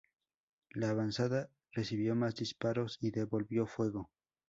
La avanzada recibió más disparos y devolvió fuego.